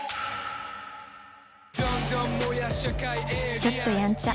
ちょっとやんちゃ。